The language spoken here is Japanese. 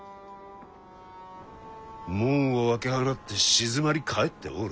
門を開け放って静まり返っておる？